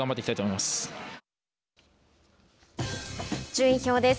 順位表です。